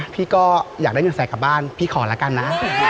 พี่ก็อยากได้เงินแสนกลับบ้านพี่ขอแล้วกันนะ